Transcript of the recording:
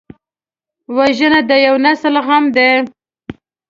وژنه د یو نسل غم دی